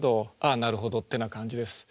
あなるほどっていうような感じです。